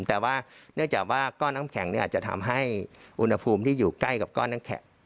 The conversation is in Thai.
แต่ว่าเนื่องจากว่าก้อนน้ำแข็งอาจจะทำให้อุณหภูมิที่อยู่ใกล้กับก้อนน้ำแข็ง